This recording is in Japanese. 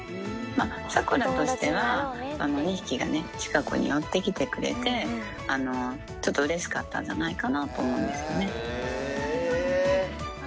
サクラとしては２匹が近くに寄ってきてくれて、ちょっとうれしかったんじゃないかなと思うんですよね。